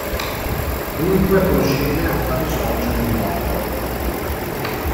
Dunque procede a far risorgere il morto.